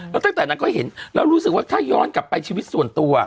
แล้วตั้งแต่นั้นก็เห็นแล้วรู้สึกว่าถ้าย้อนกลับไปชีวิตส่วนตัว